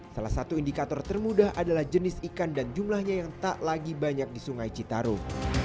salah satu indikator termudah adalah jenis ikan dan jumlahnya yang tak lagi banyak di sungai citarum